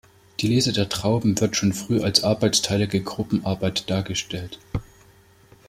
Die Lese der Trauben wird schon früh als arbeitsteilige Gruppenarbeit dargestellt.